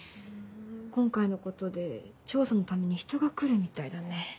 今回のことで調査のために人が来るみたいだね。